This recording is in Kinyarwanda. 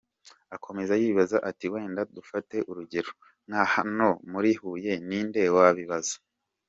Akomeza yibaza ati « Wenda dufate urugero nka hano muri Huye, ni nde wabibaza ?».